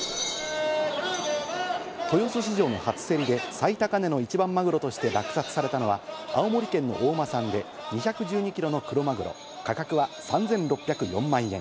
豊洲市場の初競りで最高値の一番マグロとして落札されたのは青森県の大間産で２１２キロのクロマグロ、価格は３６０４万円。